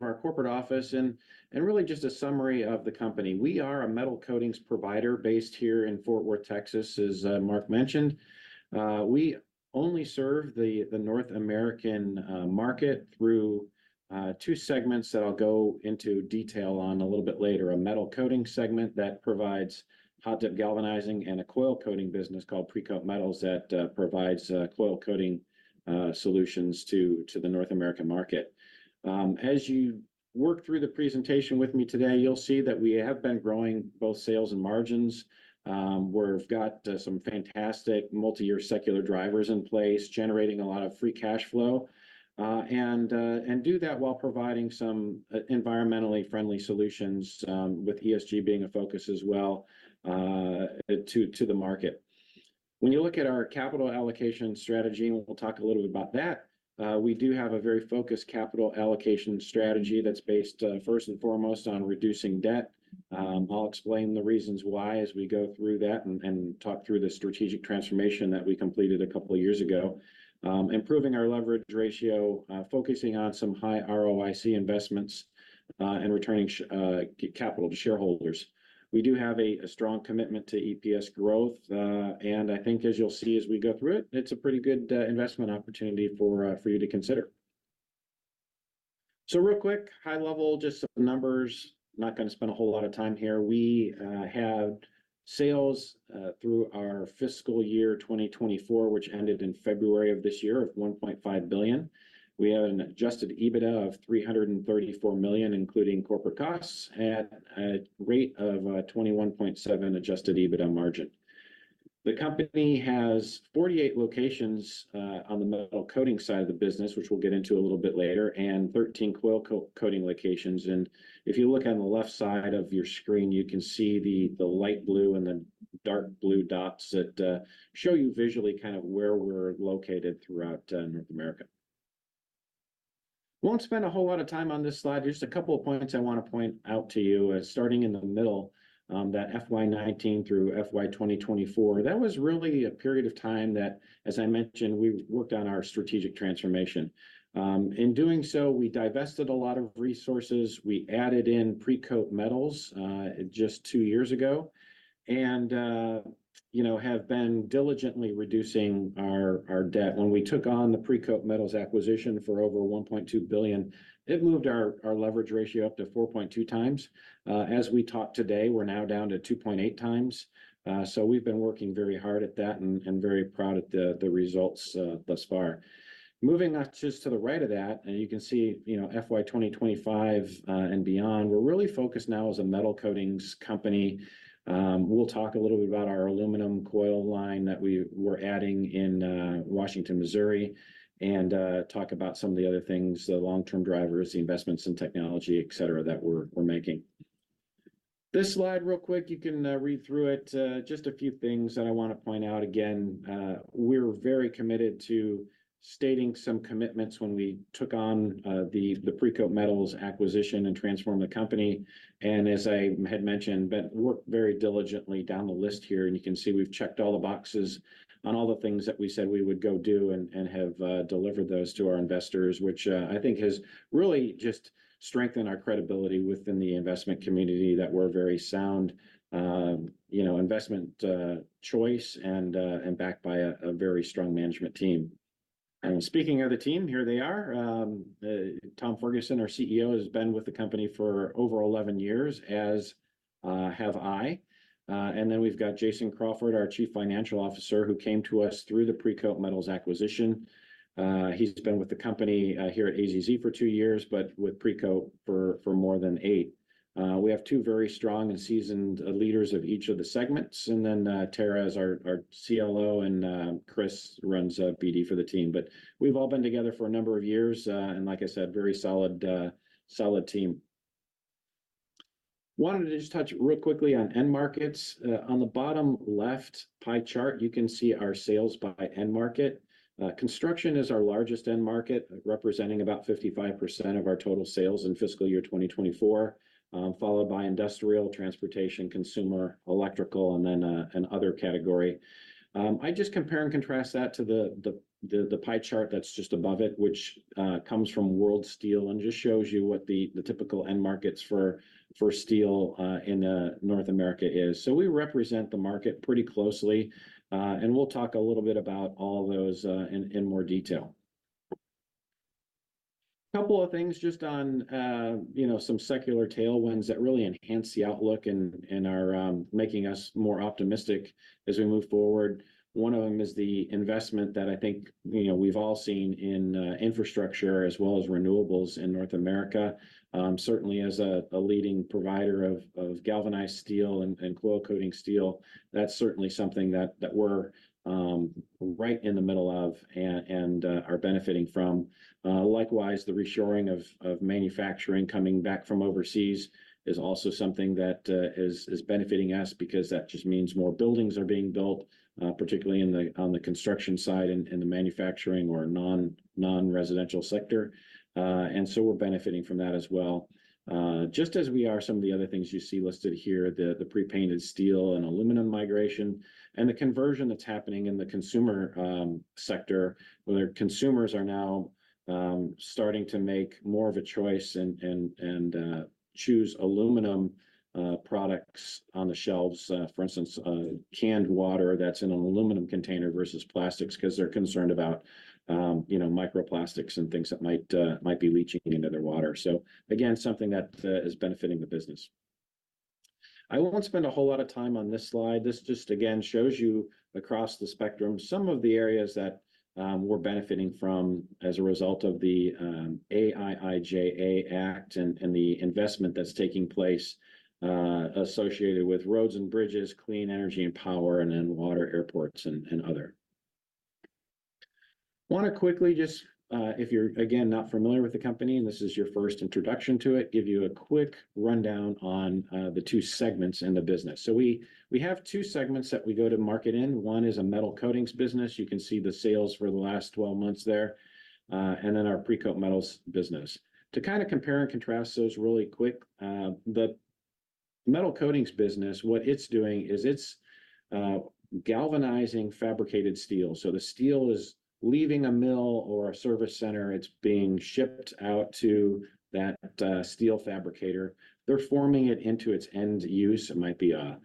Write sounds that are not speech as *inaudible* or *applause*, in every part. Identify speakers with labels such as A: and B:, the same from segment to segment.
A: Our corporate office and really just a summary of the company. We are a metal coatings provider based here in Fort Worth, Texas, as Mark mentioned. We only serve the North American market through two segments that I'll go into detail on a little bit later: a metal coatings segment that provides hot-dip galvanizing, and a coil coating business called Precoat Metals that provides coil coating solutions to the North American market. As you work through the presentation with me today, you'll see that we have been growing both sales and margins. We've got some fantastic multi-year secular drivers in place, generating a lot of free cash flow, and do that while providing some environmentally friendly solutions, with ESG being a focus as well, to the market. When you look at our capital allocation strategy, and we'll talk a little bit about that, we do have a very focused capital allocation strategy that's based, first and foremost, on reducing debt. I'll explain the reasons why as we go through that, and talk through the strategic transformation that we completed a couple of years ago. Improving our leverage ratio, focusing on some high ROIC investments, and returning capital to shareholders. We do have a strong commitment to EPS growth, and I think as you'll see as we go through it, it's a pretty good investment opportunity for you to consider, so real quick, high level, just some numbers. Not going to spend a whole lot of time here. We had sales through our fiscal year 2024, which ended in February of this year, of $1.5 billion. We had an Adjusted EBITDA of $334 million, including corporate costs, at a rate of 21.7% Adjusted EBITDA margin. The company has 48 locations on the metal coatings side of the business, which we'll get into a little bit later, and 13 coil coating locations. If you look on the left side of your screen, you can see the light blue and the dark blue dots that show you visually kind of where we're located throughout North America. Won't spend a whole lot of time on this slide. Just a couple of points I want to point out to you, starting in the middle, that FY 2019 through FY 2024, that was really a period of time that, as I mentioned, we worked on our strategic transformation. In doing so, we divested a lot of resources. We added in Precoat Metals just two years ago, and, you know, have been diligently reducing our debt. When we took on the Precoat Metals acquisition for over $1.2 billion, it moved our leverage ratio up to 4.2 times. As we talk today, we're now down to 2.8 times. So we've been working very hard at that and very proud at the results thus far. Moving up just to the right of that, and you can see, you know, FY 2025 and beyond, we're really focused now as a metal coatings company. We'll talk a little bit about our aluminum coil line that we're adding in Washington, Missouri, and talk about some of the other things, the long-term drivers, the investments in technology, et cetera, that we're making. This slide, real quick, you can read through it. Just a few things that I want to point out. Again, we're very committed to stating some commitments when we took on the Precoat Metals acquisition and transformed the company, and as I had mentioned, but worked very diligently down the list here, and you can see we've checked all the boxes on all the things that we said we would go do and have delivered those to our investors, which I think has really just strengthened our credibility within the investment community, that we're a very sound, you know, investment choice and backed by a very strong management team. And speaking of the team, here they are. Tom Ferguson, our CEO, has been with the company for over 11 years, as have I. And then we've got Jason Crawford, our Chief Financial Officer, who came to us through the Precoat Metals acquisition. He's been with the company here at AZZ for two years, but with Precoat for more than eight. We have two very strong and seasoned leaders of each of the segments, and then Tara is our CLO, and Chris runs BD for the team. But we've all been together for a number of years, and like I said, very solid, solid team. Wanted to just touch real quickly on end markets. On the bottom left pie chart, you can see our sales by end market. Construction is our largest end market, representing about 55% of our total sales in fiscal year 2024, followed by industrial, transportation, consumer, electrical, and then an other category. I just compare and contrast that to the pie chart that's just above it, which comes from World Steel and just shows you what the typical end markets for steel in North America is. So we represent the market pretty closely, and we'll talk a little bit about all those in more detail. Couple of things just on, you know, some secular tailwinds that really enhance the outlook and are making us more optimistic as we move forward. One of them is the investment that I think, you know, we've all seen in infrastructure as well as renewables in North America. Certainly as a leading provider of galvanized steel and coil-coating steel, that's certainly something that we're right in the middle of and are benefiting from. Likewise, the reshoring of manufacturing coming back from overseas is also something that is benefiting us because that just means more buildings are being built, particularly on the construction side and in the manufacturing or non-residential sector, and so we're benefiting from that as well, just as we are, some of the other things you see listed here, the pre-painted steel and aluminum migration, and the conversion that's happening in the consumer sector, where consumers are now starting to make more of a choice and choose aluminum products on the shelves. For instance, canned water that's in an aluminum container versus plastics, 'cause they're concerned about, you know, microplastics and things that might be leaching into their water, so again, something that is benefiting the business. I won't spend a whole lot of time on this slide. This just, again, shows you across the spectrum some of the areas that, we're benefiting from as a result of the, IIJA Act and, and the investment that's taking place, associated with roads and bridges, clean energy and power, and then water, airports, and, and other. Wanna quickly just, if you're, again, not familiar with the company, and this is your first introduction to it, give you a quick rundown on, the two segments in the business. So we, we have two segments that we go to market in. One is a metal coatings business. You can see the sales for the last twelve months there, and then our Precoat Metals business. To kind of compare and contrast those really quick, the metal coatings business, what it's doing is it's galvanizing fabricated steel. So the steel is leaving a mill or a service center, it's being shipped out to that steel fabricator. They're forming it into its end use. It might be a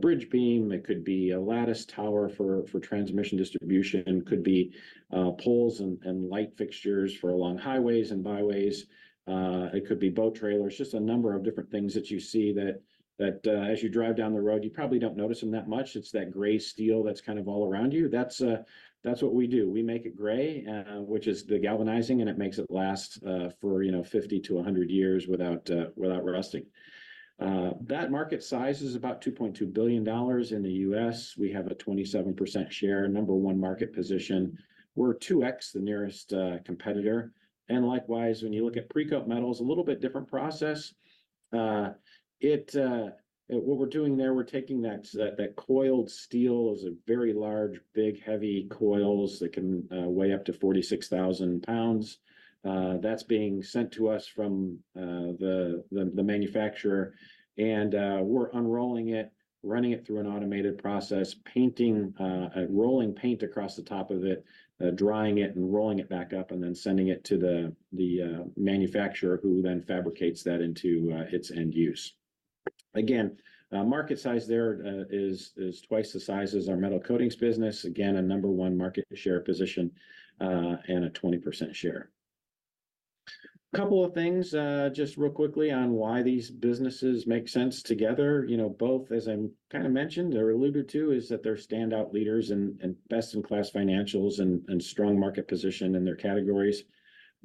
A: bridge beam, it could be a lattice tower for transmission distribution, it could be poles and light fixtures for along highways and byways, it could be boat trailers. Just a number of different things that you see as you drive down the road, you probably don't notice them that much. It's that gray steel that's kind of all around you. That's what we do. We make it gray, which is the galvanizing, and it makes it last for, you know, fifty to a hundred years without without rusting. That market size is about $2.2 billion in the U.S. We have a 27% share, number one market position. We're 2X the nearest competitor, and likewise, when you look at Precoat Metals, a little bit different process. What we're doing there, we're taking that coiled steel. It's a very large, big, heavy coils that can weigh up to 46,000 lbs. That's being sent to us from the manufacturer, and we're unrolling it, running it through an automated process, painting, rolling paint across the top of it, drying it, and rolling it back up, and then sending it to the manufacturer, who then fabricates that into its end use. Again, market size there is twice the size as our metal coatings business. Again, a number one market share position and a 20% share. Couple of things just real quickly on why these businesses make sense together. You know, both, as I kind of mentioned or alluded to, is that they're standout leaders and best-in-class financials and strong market position in their categories.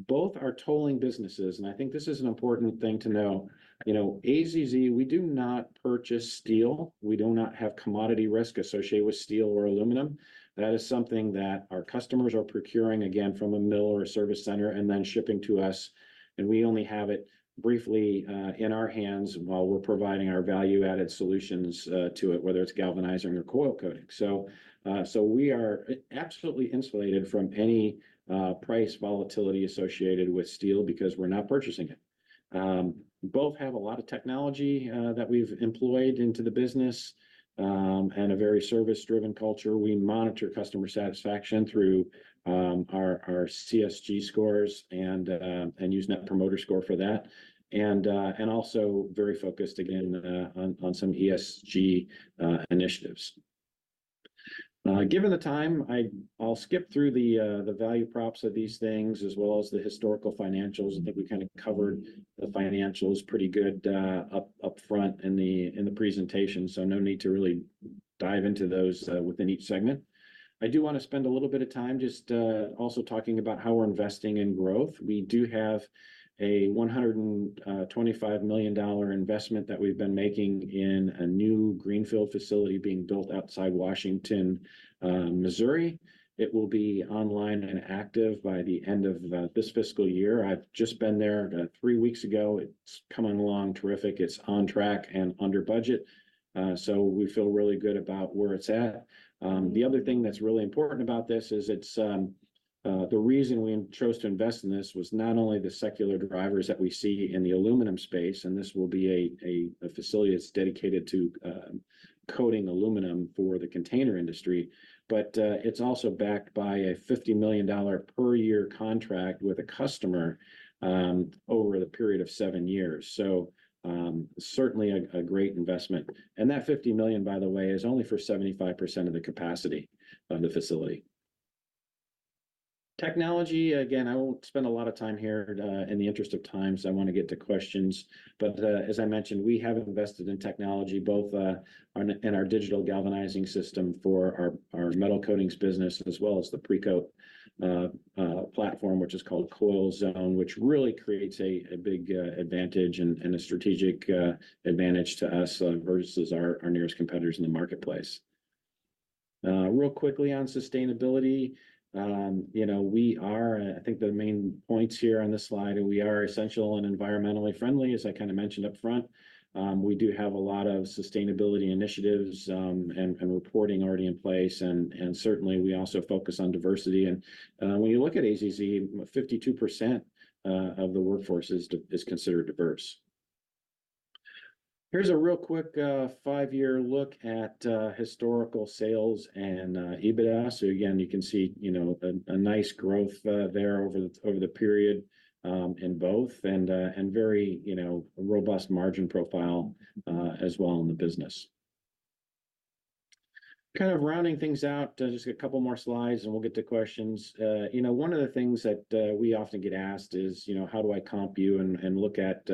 A: Both are tolling businesses, and I think this is an important thing to know. You know, AZZ, we do not purchase steel. We do not have commodity risk associated with steel or aluminum. That is something that our customers are procuring, again, from a mill or a service center and then shipping to us, and we only have it briefly in our hands while we're providing our value-added solutions to it, whether it's galvanizing or coil coating. So, so we are absolutely insulated from any price volatility associated with steel because we're not purchasing it. Both have a lot of technology that we've employed into the business and a very service-driven culture. We monitor customer satisfaction through our CSG scores and use Net Promoter Score for that, and also very focused again on some ESG initiatives. Given the time, I'll skip through the value props of these things, as well as the historical financials. I think we kinda covered the financials pretty good up front in the presentation, so no need to really dive into those within each segment. I do wanna spend a little bit of time just also talking about how we're investing in growth. We do have a $125 million investment that we've been making in a new greenfield facility being built outside Washington, Missouri. It will be online and active by the end of this fiscal year. I've just been there three weeks ago. It's coming along terrific. It's on track and under budget, so we feel really good about where it's at. The other thing that's really important about this is it's the reason we chose to invest in this was not only the secular drivers that we see in the aluminum space, and this will be a facility that's dedicated to coating aluminum for the container industry, but it's also backed by a $50 million per year contract with a customer over the period of seven years. So, certainly a great investment, and that $50 million, by the way, is only for 75% of the capacity of the facility. Technology, again, I won't spend a lot of time here in the interest of time, because I wanna get to questions. But, as I mentioned, we have invested in technology both on... in our Digital Galvanizing System for our Metal Coatings business, as well as the Precoat platform, which is called CoilZone, which really creates a big advantage and a strategic advantage to us versus our nearest competitors in the marketplace. Real quickly on sustainability, you know, I think the main points here on this slide are we are essential and environmentally friendly, as I kinda mentioned up front. We do have a lot of sustainability initiatives and reporting already in place, and certainly, we also focus on diversity. And, when you look at AZZ, 52% of the workforce is considered diverse. Here's a real quick, five-year look at historical sales and EBITDA. So again, you can see, you know, a nice growth there over the period in both, and very, you know, a robust margin profile as well in the business. Kind of rounding things out, just a couple more slides, and we'll get to questions. You know, one of the things that we often get asked is, you know, "How do I comp you and look at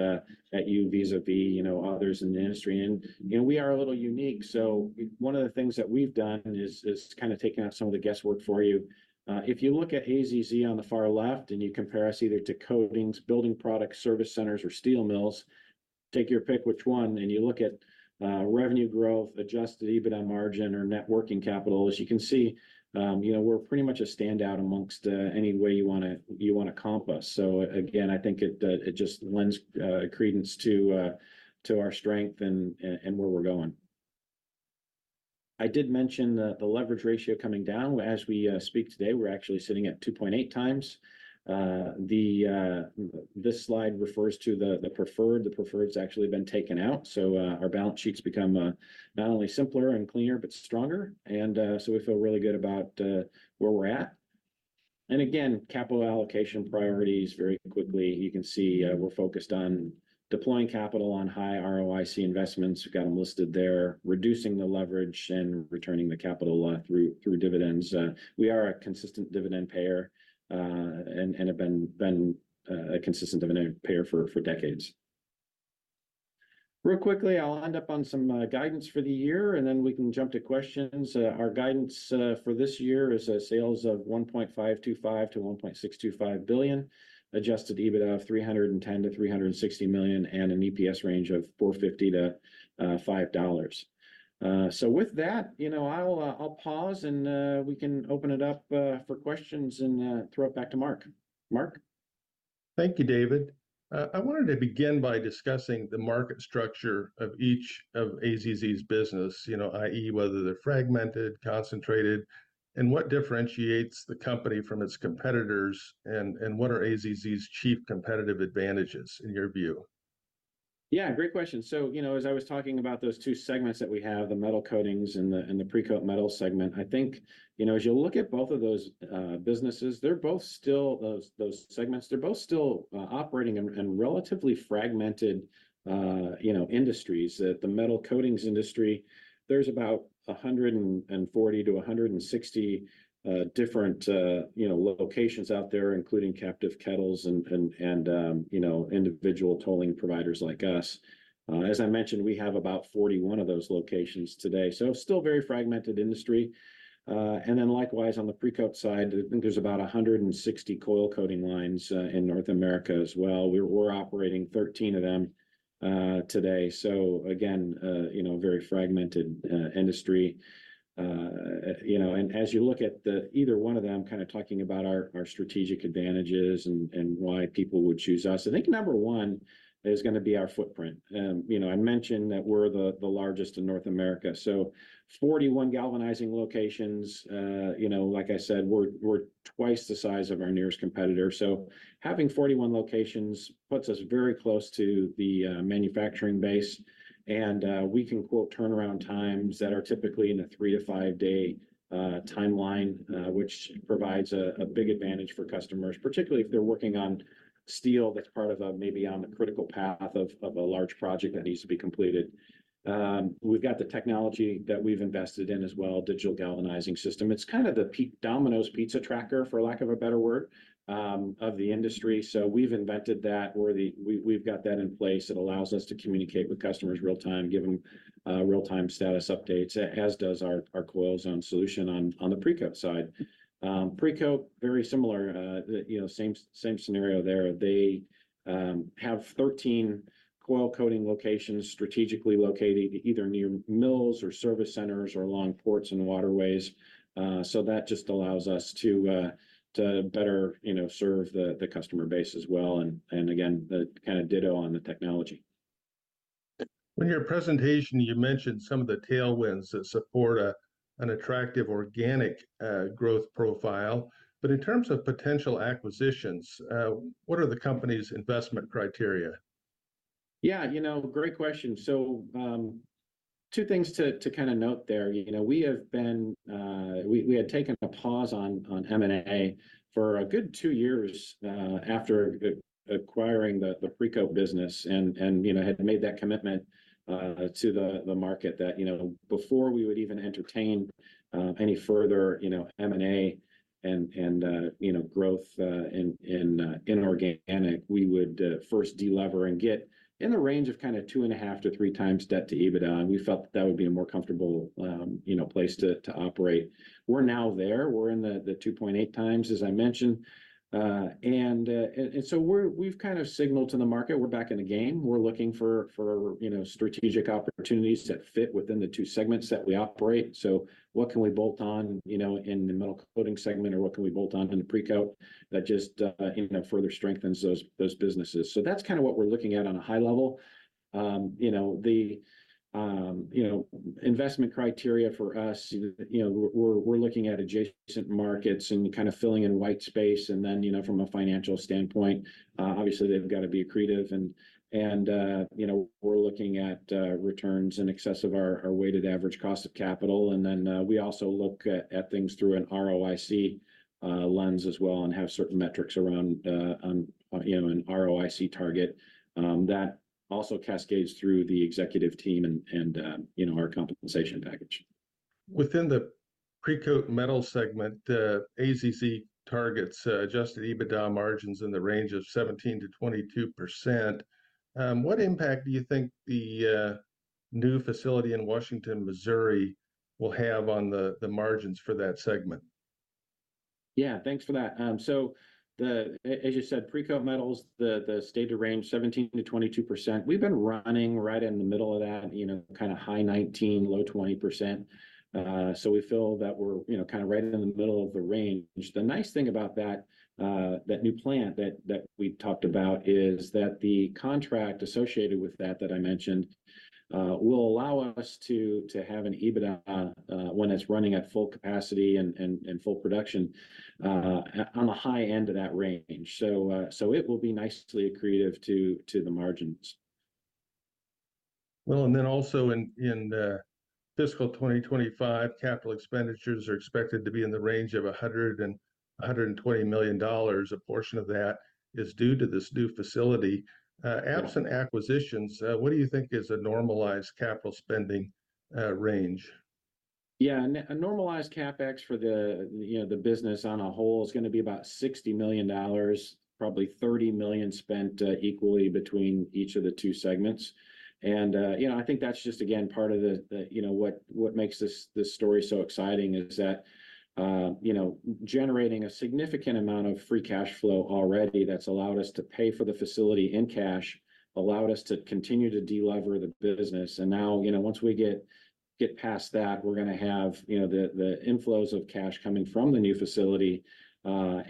A: you vis-a-vis, you know, others in the industry?" And, you know, we are a little unique, so one of the things that we've done is kind of taken out some of the guesswork for you. If you look at AZZ on the far left, and you compare us either to coatings, building products, service centers, or steel mills, take your pick which one, and you look at revenue growth, Adjusted EBITDA margin, or net working capital, as you can see, you know, we're pretty much a standout amongst any way you wanna, you wanna comp us. So again, I think it just lends credence to our strength and where we're going. I did mention the leverage ratio coming down. As we speak today, we're actually sitting at 2.8x. This slide refers to the preferred. The preferred's actually been taken out, so our balance sheet's become not only simpler and cleaner but stronger, and so we feel really good about where we're at. And again, capital allocation priorities. Very quickly you can see, we're focused on deploying capital on high ROIC investments. We've got 'em listed there, reducing the leverage, and returning the capital through dividends. We are a consistent dividend payer and have been a consistent dividend payer for decades. Really quickly, I'll end up on some guidance for the year, and then we can jump to questions. Our guidance for this year is sales of $1.525 billion-$1.625 billion, adjusted EBITDA of $310 million-$360 million, and an EPS range of $4.50-$5. So with that, you know, I'll pause, and we can open it up for questions and throw it back to Mark. Mark?
B: Thank you, David. I wanted to begin by discussing the market structure of each of AZZ's business, you know, i.e., whether they're fragmented, concentrated, and what differentiates the company from its competitors, and what are AZZ's chief competitive advantages, in your view?
A: Yeah, great question. So, you know, as I was talking about those two segments that we have, the metal coatings and the Precoat Metals segment, I think, you know, as you look at both of those businesses, they're both still, those segments, they're both still operating in relatively fragmented, you know, industries. The metal coatings industry, there's about 140-160 different locations out there, including captive kettles and individual tolling providers like us. As I mentioned, we have about 41 of those locations today, so still very fragmented industry. And then likewise, on the Precoat side, I think there's about 160 coil coating lines in North America as well. We're operating thirteen of them today, so again, you know, very fragmented industry. You know, and as you look at either one of them, kind of talking about our strategic advantages and why people would choose us, I think number one is gonna be our footprint. You know, I mentioned that we're the largest in North America, so 41 galvanizing locations. Like I said, we're twice the size of our nearest competitor, so having 41 locations puts us very close to the manufacturing base, and we can quote turnaround times that are typically in a three-to-five-day timeline, which provides a big advantage for customers, particularly if they're working on steel that's part of a maybe on the critical path of a large project that needs to be completed. We've got the technology that we've invested in as well, Digital Galvanizing System. It's kind of the peak Domino's Pizza tracker, for lack of a better word, of the industry. So we've invented that. We've got that in place. It allows us to communicate with customers real-time, give them real-time status updates, as does our CoilZone solution on the Precoat side. Precoat, very similar, the same scenario there. They have 13 coil coating locations strategically located either near mills or service centers or along ports and waterways. So that just allows us to better serve the customer base as well, and again, the kind of ditto on the technology.
B: In your presentation, you mentioned some of the tailwinds that support an attractive organic growth profile, but in terms of potential acquisitions, what are the company's investment criteria?
A: Yeah, you know, great question. So, two things to, to kind of note there. You know, we have been. We had taken a pause on, on M&A for a good two years, after acquiring the Precoat business and, you know, had made that commitment, to the market that, you know, before we would even entertain, any further, you know, M&A and, growth, in inorganic, we would first de-lever and get in the range of kind of two and a half to three times debt to EBITDA, and we felt that would be a more comfortable, you know, place to operate. We're now there. We're in the 2.8x, as I mentioned. We've kind of signaled to the market we're back in the game. We're looking for you know strategic opportunities that fit within the two segments that we operate. What can we bolt on you know in the Metal Coatings segment, or what can we bolt on in Precoat that just you know further strengthens those businesses? That's kind of what we're looking at on a high level. You know the investment criteria for us. You know, we're looking at adjacent markets and kind of filling in white space, and then you know from a financial standpoint obviously they've got to be accretive and you know we're looking at returns in excess of our weighted average cost of capital. And then, we also look at things through an ROIC lens as well, and have certain metrics around, you know, an ROIC target. That also cascades through the executive team and, you know, our compensation package....
B: Within the Precoat Metals segment, AZZ targets Adjusted EBITDA margins in the range of 17%-22%. What impact do you think the new facility in Washington, Missouri, will have on the margins for that segment?
A: Yeah, thanks for that. So as you said, Precoat Metals, the stated range, 17%-22%. We've been running right in the middle of that, you know, kinda high 19%, low 20%. So we feel that we're, you know, kinda right in the middle of the range. The nice thing about that new plant that we talked about is that the contract associated with that that I mentioned will allow us to have an EBITDA when it's running at full capacity and full production on the high end of that range. So it will be nicely accretive to the margins.
B: In fiscal 2025, capital expenditures are expected to be in the range of $100 million-$120 million. A portion of that is due to this new facility. Yeah... *crosstalk* absent acquisitions, what do you think is a normalized capital spending range?
A: Yeah, a normalized CapEx for the, you know, the business on a whole is gonna be about $60 million, probably $30 million spent equally between each of the two segments. And, you know, I think that's just, again, part of the, you know, what makes this story so exciting is that, you know, generating a significant amount of free cash flow already that's allowed us to pay for the facility in cash, allowed us to continue to de-lever the business. And now, you know, once we get past that, we're gonna have, you know, the inflows of cash coming from the new facility,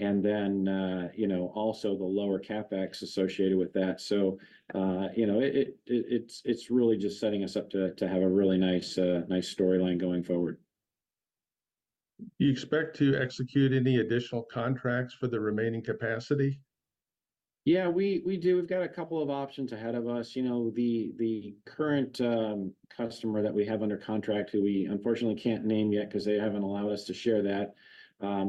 A: and then, you know, also the lower CapEx associated with that. You know, it's really just setting us up to have a really nice storyline going forward.
B: Do you expect to execute any additional contracts for the remaining capacity?
A: Yeah, we do. We've got a couple of options ahead of us. You know, the current customer that we have under contract, who we unfortunately can't name yet 'cause they haven't allowed us to share that,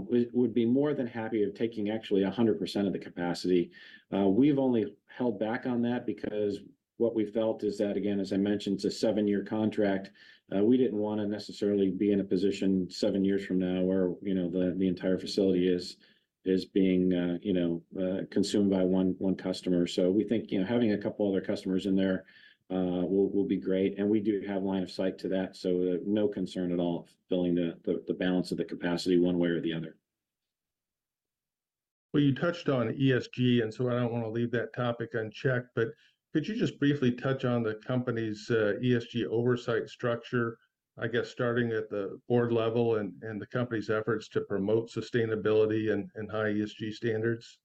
A: we would be more than happy of taking actually 100% of the capacity. We've only held back on that because what we felt is that, again, as I mentioned, it's a seven-year contract. We didn't wanna necessarily be in a position seven years from now where, you know, the entire facility is being consumed by one customer. We think, you know, having a couple other customers in there will be great, and we do have line of sight to that, so no concern at all filling the balance of the capacity one way or the other.
B: Well, you touched on ESG, and so I don't wanna leave that topic unchecked, but could you just briefly touch on the company's ESG oversight structure, I guess, starting at the board level, and the company's efforts to promote sustainability and high ESG standards?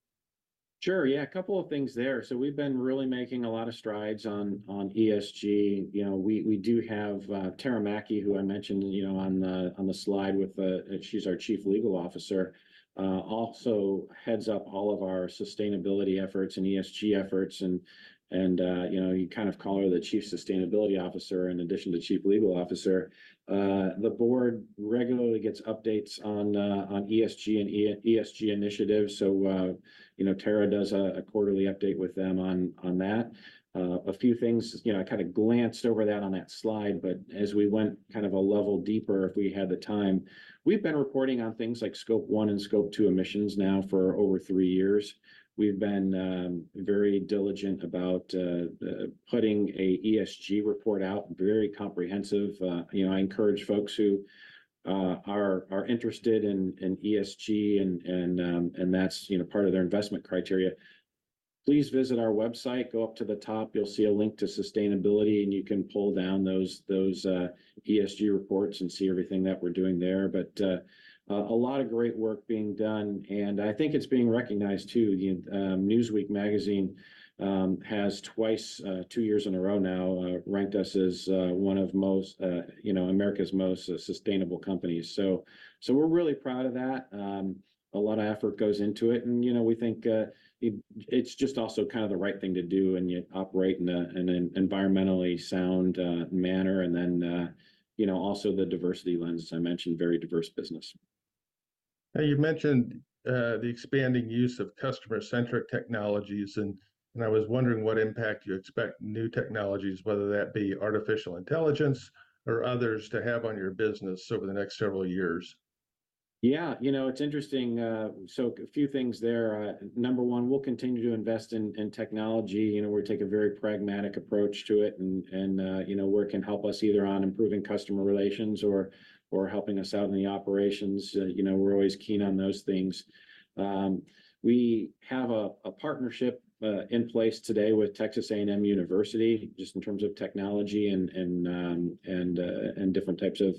A: Sure, yeah. A couple of things there. So we've been really making a lot of strides on ESG. You know, we do have Tara Mackey, who I mentioned, you know, on the slide with. She's our Chief Legal Officer, also heads up all of our sustainability efforts and ESG efforts. And you know, you kind of call her the chief sustainability officer in addition to Chief Legal Officer. The board regularly gets updates on ESG and ESG initiatives, so you know, Tara does a quarterly update with them on that. A few things, you know, I kinda glanced over that on that slide, but as we went kind of a level deeper, if we had the time, we've been reporting on things like Scope 1 and Scope 2 emissions now for over three years. We've been very diligent about putting an ESG report out, very comprehensive. You know, I encourage folks who are interested in ESG and that's, you know, part of their investment criteria. Please visit our website. Go up to the top, you'll see a link to sustainability, and you can pull down those ESG reports and see everything that we're doing there. But a lot of great work being done, and I think it's being recognized too. Newsweek Magazine has twice, two years in a row now, ranked us as one of most, you know, America's most sustainable companies. So we're really proud of that. A lot of effort goes into it, and, you know, we think, it, it's just also kind of the right thing to do, and you operate in a, an environmentally sound, manner, and then, you know, also the diversity lens. As I mentioned, very diverse business.
B: Now, you've mentioned the expanding use of customer-centric technologies, and I was wondering what impact you expect new technologies, whether that be artificial intelligence or others, to have on your business over the next several years?
A: Yeah. You know, it's interesting. So a few things there. Number one, we'll continue to invest in technology. You know, we take a very pragmatic approach to it, and you know, where it can help us either on improving customer relations or helping us out in the operations, you know, we're always keen on those things. We have a partnership in place today with Texas A&M University, just in terms of technology and different types of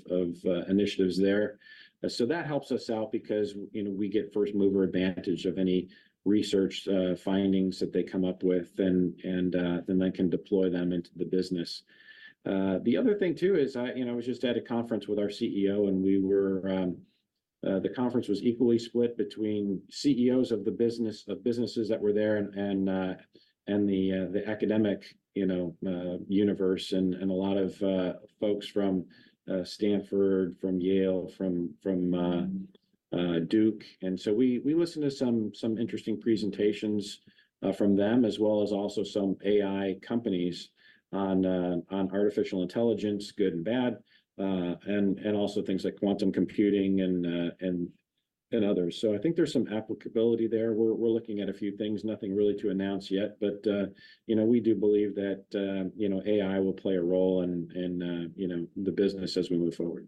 A: initiatives there. So that helps us out because, you know, we get first-mover advantage of any research findings that they come up with, and then I can deploy them into the business. The other thing too is, I, you know, I was just at a conference with our CEO, and we were, the conference was equally split between CEOs of the business, of businesses that were there and, and the, the academic, you know, universe. And a lot of folks from Stanford, from Yale, from Duke, and so we listened to some interesting presentations from them, as well as also some AI companies on artificial intelligence, good and bad, and also things like quantum computing and others. So I think there's some applicability there. We're looking at a few things. Nothing really to announce yet, but you know, we do believe that you know, AI will play a role in you know, the business as we move forward.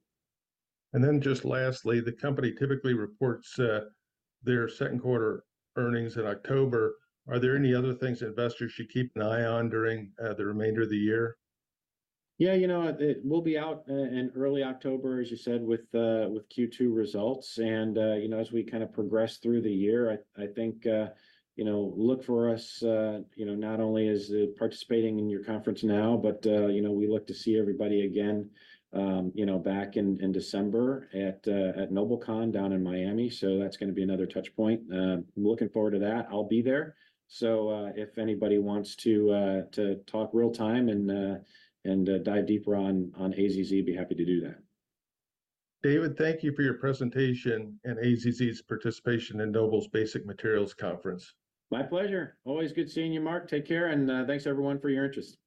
B: And then just lastly, the company typically reports their second quarter earnings in October. Are there any other things that investors should keep an eye on during the remainder of the year?
A: Yeah, you know, it will be out in early October, as you said, with Q2 results. And you know, as we kind of progress through the year, I think, you know, look for us, you know, not only as participating in your conference now, but you know, we look to see everybody again, you know, back in December at NobleCon down in Miami, so that's gonna be another touch point. I'm looking forward to that. I'll be there. So if anybody wants to talk real time and dive deeper on AZZ, be happy to do that.
B: David, thank you for your presentation and AZZ's participation in Noble's Basic Materials Conference.
A: My pleasure. Always good seeing you, Mark. Take care, and thanks everyone for your interest.